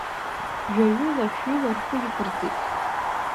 Жәаҩыла, шәҩыла рхы иқәырҵеит…